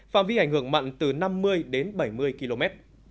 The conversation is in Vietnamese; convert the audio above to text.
phạm vi ảnh hưởng mặn từ năm mươi đến bảy mươi km